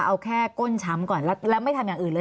เอาแค่ก้นช้ำก่อนแล้วไม่ทำอย่างอื่นเลย